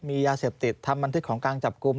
มียาเสพติดทำบันทึกของการจับกลุ่ม